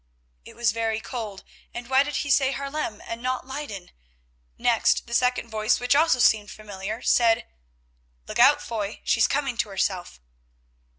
It was very odd, and why did he say Haarlem and not Leyden? Next the second voice, which also seemed familiar, said: "Look out, Foy, she's coming to herself."